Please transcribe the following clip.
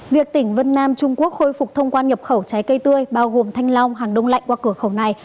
việc tỉnh vân nam trung quốc khôi phục thông quan nhập khẩu trái cây tươi bao gồm thanh long hàng đông lạnh qua cửa khẩu này